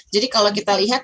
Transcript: jadi kalau kita lihat